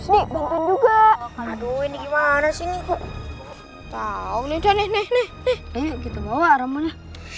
ini bantuin juga aduh ini gimana sih ini kok tahu nih nih nih nih kita bawa rambunya